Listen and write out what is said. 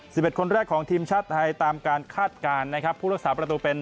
สิบเอ็ดคนแรกของทีมชาติไทยตามการคาดการณ์นะครับผู้รักษาประตูเป็น